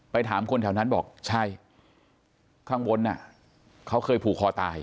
ถามคนแถวนั้นบอกใช่ข้างบนเขาเคยผูกคอตาย